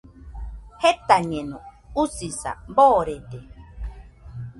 Jetañeno, usisa boorede.